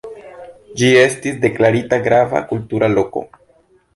Ĝi estis deklarita Grava Kultura Loko.